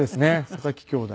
佐々木兄弟。